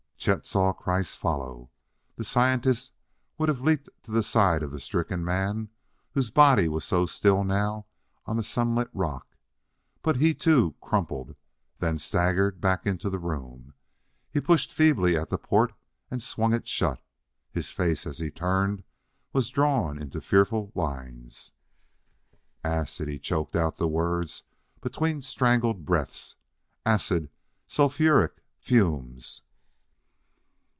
Chet saw Kreiss follow. The scientist would have leaped to the side of the stricken man, whose body was so still now on the sunlit rock; but he, too, crumpled, then staggered back into the room. He pushed feebly at the port and swung it shut. His face, as he turned, was drawn into fearful lines. "Acid!" He choked out the words between strangled breaths. "Acid sulfuric fumes!"